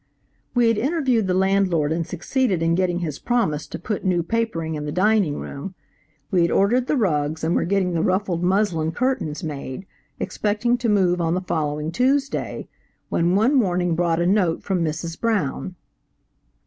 We had interviewed the landlord and succeeded in getting his promise to put new papering in the dining room, we had ordered the rugs, and were getting the ruffled muslin curtains made, expecting to move on the following Tuesday, when one morning brought a note from Mrs. Brown.